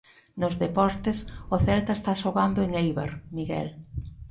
Nos deportes, o Celta está xogando en Eibar, Miguel.